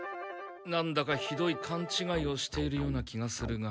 なんだかひどいかんちがいをしているような気がするが。